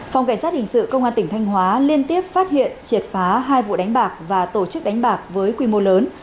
phòng cảnh sát hình sự công an tỉnh thanh hóa liên tiếp phát hiện triệt phá hai vụ đánh bạc và tổ chức đánh bạc với quy mô lớn